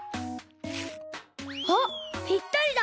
あっぴったりだ！